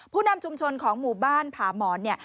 ผู้นำชุมชนของหมู่บ้านผาหมอน